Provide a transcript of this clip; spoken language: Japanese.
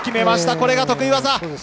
これが得意技！